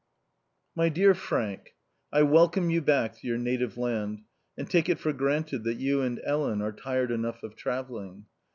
My dear Frank, — I welcome you back to your native land, and take it for granted that you and Ellen are tired enough of travelling.